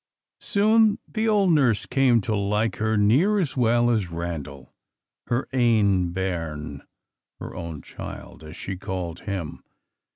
Soon the old nurse came to like her near as well as Randal, "her ain bairn" (her own child), as she called him.